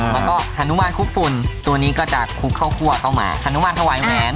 อ๋อแล้วก็หันุมันคุกฝุ่นตัวนี้ก็จะคุกข้อคั่วเข้ามาหันุมันถวายแหวน